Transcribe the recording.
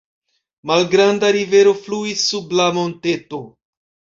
Malgranda rivero fluis sub la monteto.